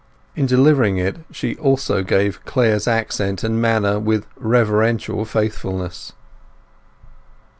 In delivering it she gave also Clare's accent and manner with reverential faithfulness.